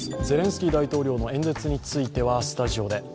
ゼレンスキー大統領の演説についてはスタジオで。